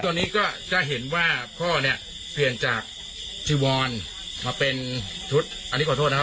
ตอนนี้ก็จะเห็นว่าพ่อเนี่ยเปลี่ยนจากจีวอนมาเป็นชุดอันนี้ขอโทษนะครับ